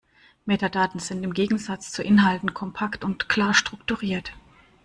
Metadaten sind im Gegensatz zu Inhalten kompakt und klar strukturiert.